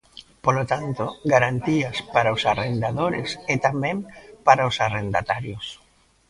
Polo tanto, garantías para os arrendadores e tamén para os arrendatarios.